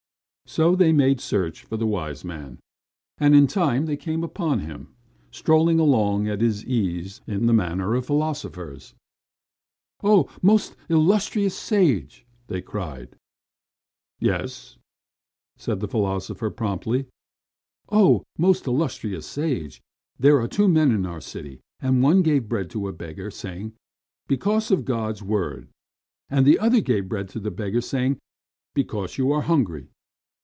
So they made search for the wise man, and in time they came upon him, strolling along at his ease in the manner of philosophers. "Oh, most illustrious sage," they cried. "Yes," said the philosopher promptly. "Oh, most illustrious sage, there are two men in our city, and one gave bread to a beggar, saying: 'Because of God's word.' And the other gave bread to the beggar, saying: 'Because you are hungry.'